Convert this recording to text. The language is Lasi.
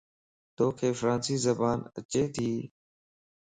توک فرانسي زبان اچي تي؟